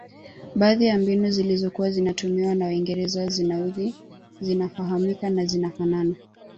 Baadhi ya mbinu zilizokuwa zinatumiwa na waingereza zinaudhi zinafahamika na zinafanana